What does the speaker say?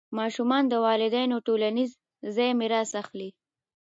ماشومان د والدینو ټولنیز ځای میراث اخلي.